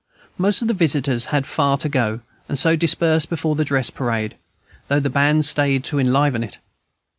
Most of the visitors had far to go, and so dispersed before dress parade, though the band stayed to enliven it.